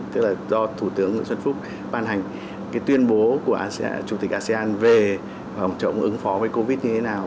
tức là do thủ tướng nguyễn xuân phúc ban hành tuyên bố của chủ tịch asean về phòng chống ứng phó với covid một mươi chín như thế nào